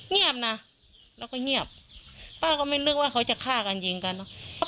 เงียบนะแล้วก็เงียบป้าก็ไม่นึกว่าเขาจะฆ่ากันยิงกันเนอะ